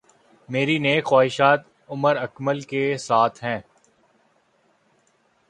میری نیک خواہشات عمر اکمل کے ساتھ ہیں